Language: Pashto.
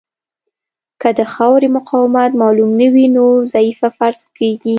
که د خاورې مقاومت معلوم نه وي نو ضعیفه فرض کیږي